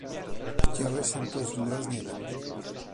Chtěl jsem to zdůraznit.